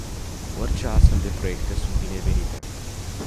Orice astfel de proiecte sunt binevenite.